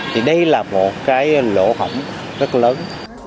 thì đây là một cái lỗ hổng rất lớn